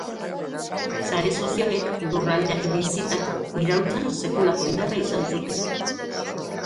Sare sozialek lurraldeak bizitako iraultzan sekulako indarra izan zuten.